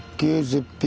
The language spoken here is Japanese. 絶品！